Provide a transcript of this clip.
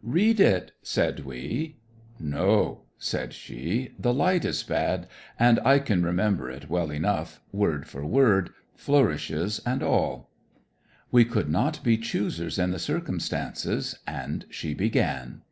'Read it!' said we. 'No,' said she; 'the light is bad, and I can remember it well enough, word for word, flourishes and all.' We could not be choosers in the circumstances, and she began.